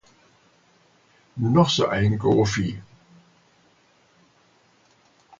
Noch so ein "Goofy"!